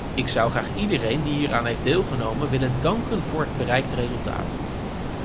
Ik zou graag iedereen die hieraan heeft deelgenomen willen danken voor het bereikte resultaat.